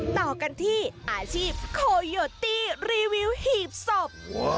ต่อกันที่อาชีพโคโยตี้รีวิวหีบศพ